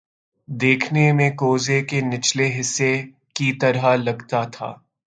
دیکھنے میں کوزے کے نچلے حصے کی طرح لگتا تھا